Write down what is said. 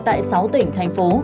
tại sáu tỉnh thành phố